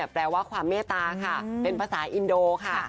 แปลว่าความเมตตาค่ะเป็นภาษาอินโดค่ะ